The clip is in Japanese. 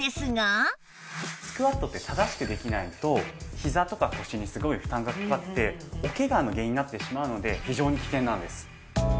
スクワットって正しくできないとひざとか腰にすごい負担がかかっておケガの原因になってしまうので非常に危険なんです。